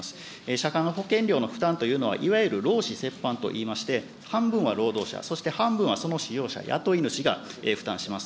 社会保険料の負担というのは、いわゆる労使折半といいまして、半分は労働者、そして半分はその使用者、雇い主が負担します。